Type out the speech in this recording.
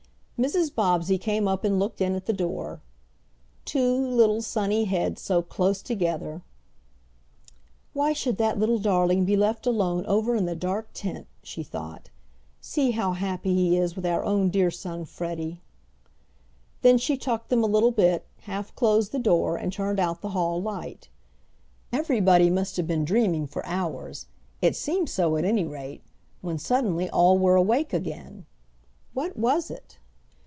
Mrs. Bobbsey came up and looked in at the door. Two little sunny heads so close together! "Why should that little darling be left alone over in the dark tent!" she thought. "See how happy he is with our own dear son Freddie." Then she tucked them a little bit, half closed the door, and turned out the hall light. Everybody must have been dreaming for hours, it seemed so at any rate, when suddenly all were awake again. What was it?